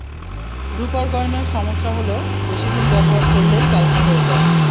রুপার গয়নারুপার গয়নার সমস্যা হলো, বেশি দিন ব্যবহার করলেই কালচে হয়ে যায়।